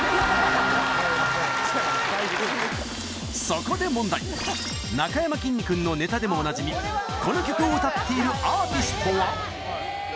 そこで問題なかやまきんに君のネタでもおなじみこの曲を歌っているアーティストは？